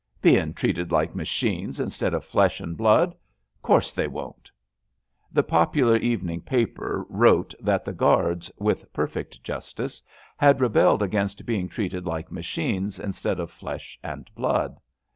" Bein' treated like machines in'stead of flesh and blood. 'Course they won 't. '' The popular evening paper wrote that the Guards, with perfect justice, had rebelled agaiost being treated like machines instead of flesh and flood.